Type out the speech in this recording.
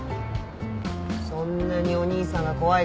そんなにお兄さんが怖いか。